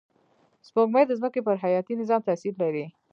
سپوږمۍ د ځمکې پر حیاتي نظام تأثیر لري